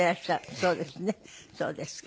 そうですか。